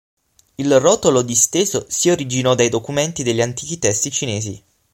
Il rotolo disteso si originò dai documenti degli antichi testi cinesi.